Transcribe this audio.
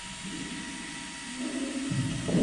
Cnant.